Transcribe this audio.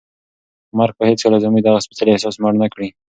مرګ به هیڅکله زموږ دغه سپېڅلی احساس مړ نه کړي.